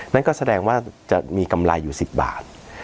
นั่นก็แสดงว่าจะมีกำไรอยู่๑๐บาท